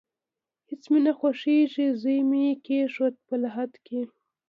هیڅ مې نه خوښیږي، زوی مې کیښود په لحد کې